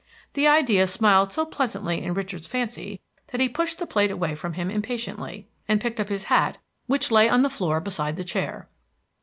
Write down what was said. The idea smiled so pleasantly in Richard's fancy that he pushed the plate away from him impatiently, and picked up his hat which lay on the floor beside the chair.